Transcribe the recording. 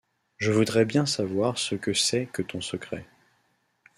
Je voudrais bien savoir ce que c’est que ton secret